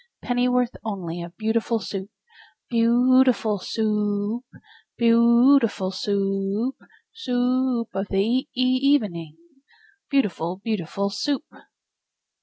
Pennyworth only of beautiful Soup? Beau ootiful Soo oop! Beau ootiful Soo oop! Soo oop of the e e evening, Beautiful, beauti FUL SOUP!